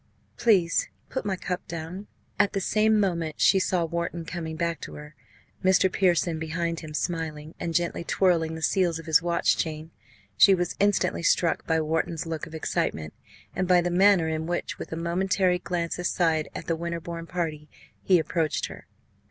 Please put my cup down." At the same moment she saw Wharton coming back to her Mr. Pearson behind him, smiling, and gently twirling the seals of his watch chain. She was instantly struck by Wharton's look of excitement, and by the manner in which with a momentary glance aside at the Winterbourne party he approached her.